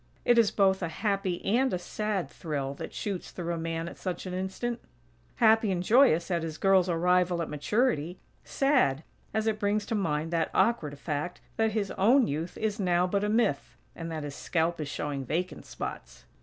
It is both a happy and a sad thrill that shoots through a man at such an instant. Happy and joyous at his girl's arrival at maturity; sad, as it brings to mind that awkward fact that his own youth is now but a myth; and that his scalp is showing vacant spots.